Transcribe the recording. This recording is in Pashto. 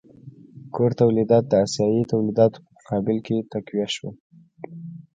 کور تولیدات د اسیايي تولیداتو په مقابل کې تقویه شول.